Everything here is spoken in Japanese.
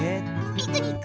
ピクニック